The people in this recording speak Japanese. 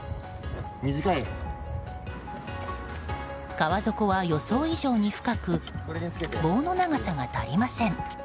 川底は、予想以上に深く棒の長さが足りません。